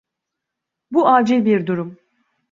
Bu acil bir durum.